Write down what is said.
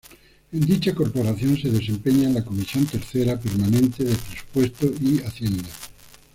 En dicha corporación se desempeña en la Comisión Tercera permanente de presupuesto y hacienda.